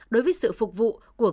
đối với sự phục vụ của các nhà đầu tư